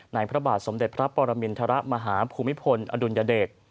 พระบาทสมเด็จพระปรมินทรมาฮภูมิพลอดุลยเดช